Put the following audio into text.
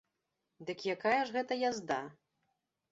Дык якая ж гэта язда?